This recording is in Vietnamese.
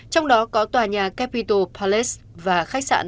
trong đó có tòa nhà capital palace và khách sạn